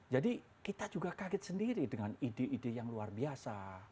jadi kita juga kaget sendiri dengan ide ide yang luar biasa